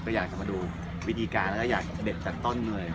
ก็อยากจะมาดูวิธีการและจะเด็ดจากต้น